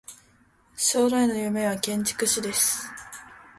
将来の夢は建築士です。